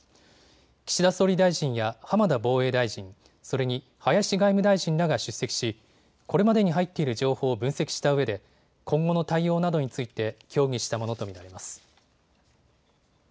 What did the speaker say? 岸田総理大臣や浜田防衛大臣、それに林外務大臣らが出席しこれまでに入っている情報を分析したうえで今後の対応などについて協議したものと見られます。